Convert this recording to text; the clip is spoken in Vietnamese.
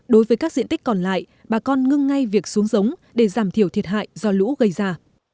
đối với các diện tích còn lại bà con ngưng ngay việc xuống giống để giảm thiểu thiệt hại do lũ gây ra